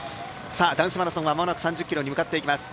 男子マラソンは間もなく３０ｋｍに向かっていきます。